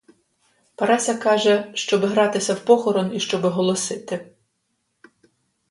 Парася каже, щоби гратися в похорон і щоби голосити.